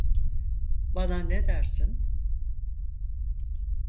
Bana ne dersin?